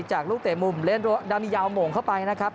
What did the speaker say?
จากลูกเตะมุมเล่นดามียาวโมงเข้าไปนะครับ